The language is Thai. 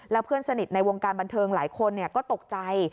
แล้วเพื่อนสนิทในวงการบันเทิงหลายคนก็ตกใจ